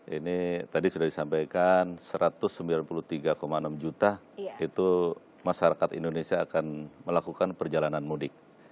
ini tadi sudah disampaikan satu ratus sembilan puluh tiga enam juta itu masyarakat indonesia akan melakukan perjalanan mudik